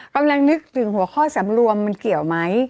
กำลังนึกถึงหัวข้อสำรวมมันเกี่ยวไหม